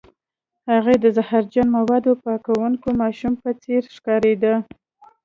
هغه د زهرجن موادو پاکوونکي ماشوم په څیر ښکاریده